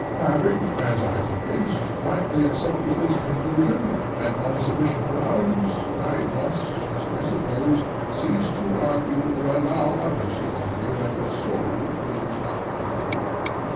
Having, as I am convinced, rightly accepted this conclusion, and on sufficient grounds, I must, as I suppose, cease to argue or allow others to argue that the soul is a harmony.